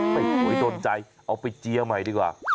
ไม่สวยโดนใจเอาไปเจียใหม่ดีกว่า